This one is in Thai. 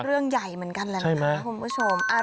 เรื่องใหญ่เหมือนกันแล้วนะครับคุณผู้ชมใช่ไหม